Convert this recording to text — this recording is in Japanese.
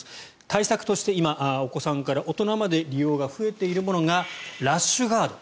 対策として今、お子さんから大人まで利用が増えているものがラッシュガード。